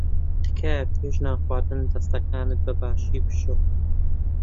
تکایە پێش نان خواردن دەستەکانت بەباشی بشۆ.